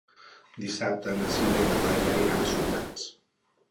Dissabte na Sira i na Laia iran a Subirats.